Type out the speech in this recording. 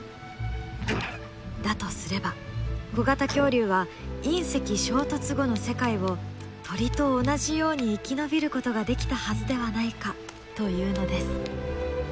だとすれば小型恐竜は隕石衝突後の世界を鳥と同じように生き延びることができたはずではないかというのです。